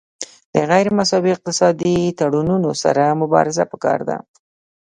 د غیر مساوي اقتصادي تړونونو سره مبارزه پکار ده